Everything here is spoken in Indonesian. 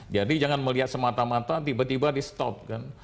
jadi jangan melihat semata mata tiba tiba di stop